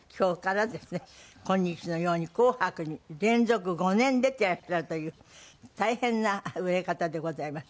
今日のように『紅白』に連続５年出てらっしゃるという大変な売れ方でございます。